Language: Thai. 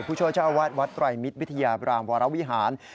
พุทธเจ้าวัดวัดไตรมิตรวิทยาบราณวรวิหาร